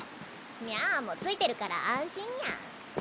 ミャアもついてるから安心ニャ。